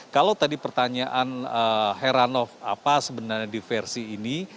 kalau tadi pertanyaan heran of apa sebenarnya diversi ini